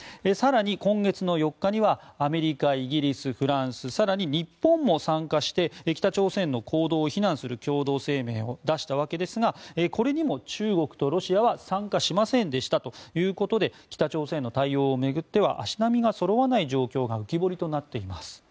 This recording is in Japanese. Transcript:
更に、今月４日にはアメリカ、イギリス、フランス更に日本も参加して北朝鮮の行動を非難する共同声明を出したわけですがこれにも中国とロシアは参加しませんでしたということで北朝鮮の対応を巡っては足並みがそろわない状態が浮き彫りとなっています。